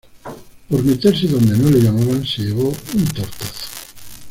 Por meterse donde no le llamaban se llevó un tortazo